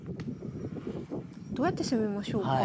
どうやって攻めましょうか？